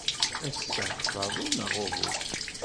Ass-a d aḍu, neɣ uhu?